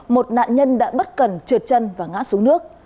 một nạn nhân đã bất cần trượt chân và ngã xuống nước